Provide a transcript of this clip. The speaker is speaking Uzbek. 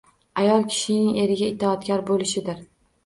Ayol kishining eriga itoatkor bo‘lishidir.